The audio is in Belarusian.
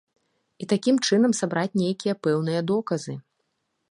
І такім чынам сабраць нейкія пэўныя доказы.